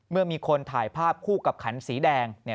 เมื่อมีคนถ่ายภาพคู่กับขันสีแดงเนี่ย